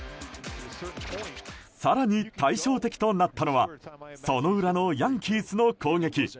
更に、対照的となったのはその裏のヤンキースの攻撃。